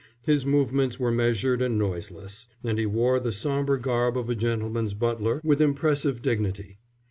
His movements were measured and noiseless; and he wore the sombre garb of a gentleman's butler with impressive dignity.